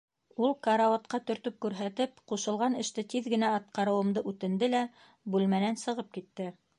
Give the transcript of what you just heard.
Ул, карауатҡа төртөп күрһәтеп, ҡушылған эште тиҙ арала атҡарыуымды үтенде лә бүлмәнән сығып китте.